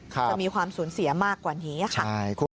จะมีความสูญเสียมากกว่านี้ค่ะ